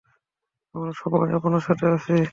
আমরা সবাই আপনার সাথেই আছি।